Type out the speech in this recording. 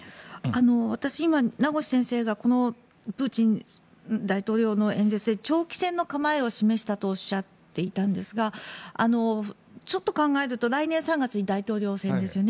私、今、名越先生がプーチン大統領の演説で長期戦の構えを示したとおっしゃったんですがちょっと考えると来年３月に大統領選ですよね。